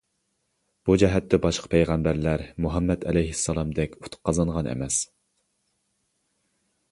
بۇ جەھەتتە باشقا پەيغەمبەرلەر مۇھەممەد ئەلەيھىسسالامدەك ئۇتۇق قازانغان ئەمەس.